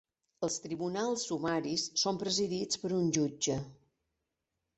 Els tribunals sumaris són presidits per un jutge.